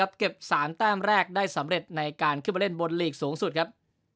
เก็บ๓แต้มแรกได้สำเร็จในการขึ้นไปเล่นบนลีกสูงสุดครับ